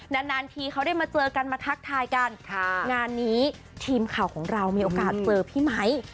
นานนานทีเขาได้มาเจอกันมาทักทายกันงานนี้ทีมข่าวของเรามีโอกาสเจอพี่ไมค์